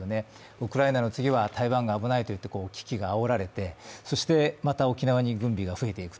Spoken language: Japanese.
ウクライナの次は台湾が危ないといって、危機があおられて、そしてまた沖縄に軍備が増えていく。